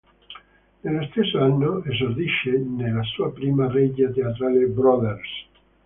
Nello stesso anno esordisce nella sua prima regia teatrale: "Brothers".